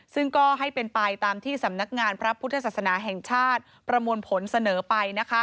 ซึ่งก็ให้เป็นไปตามที่สำนักงานพระพุทธศาสนาแห่งชาติประมวลผลเสนอไป